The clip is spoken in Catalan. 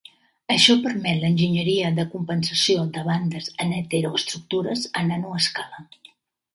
Això permet l'enginyeria de compensació de bandes en heteroestructures a nanoescala.